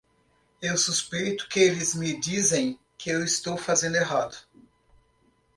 Eu suspeito que eles me dizem que estou fazendo errado.